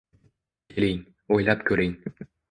Keling, o'ylab ko'ring!